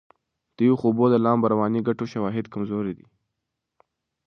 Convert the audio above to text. د یخو اوبو د لامبو د رواني ګټو شواهد کمزوري دي.